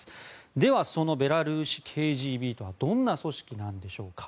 では、そのベラルーシＫＧＢとはどんな組織なんでしょうか。